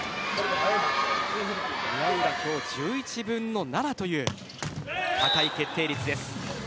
宮浦、今日１１分の７という高い決定率です。